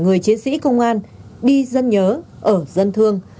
người chiến sĩ công an đi dân nhớ ở dân thương